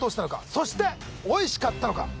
そしておいしかったのか？